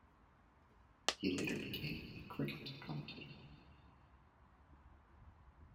He later became a cricket commentator.